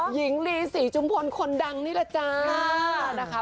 หญิงลีศรีจุมพลคนดังนี่แหละจ้านะคะ